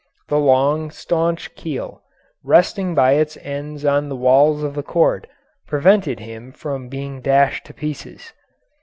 The long, staunch keel, resting by its ends on the walls of the court, prevented him from being dashed to pieces.